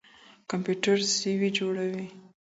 کمپيوټر سي وي جوړوي.